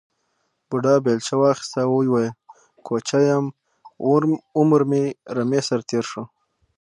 بوډا بېلچه واخیسته او وویل کوچی یم عمر مې رمې سره تېر شو.